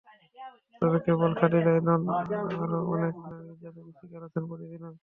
তবে কেবল খাদিজাই নন, আরও অনেক নারী নির্যাতনের শিকার হচ্ছেন প্রতিদিনই।